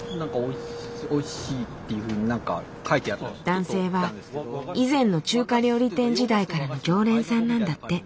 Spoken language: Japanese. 男性は以前の中華料理店時代からの常連さんなんだって。